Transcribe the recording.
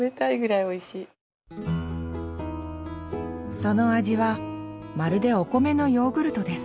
その味はまるでお米のヨーグルトです。